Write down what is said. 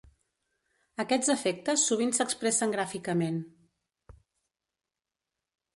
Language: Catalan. Aquests efectes sovint s'expressen gràficament.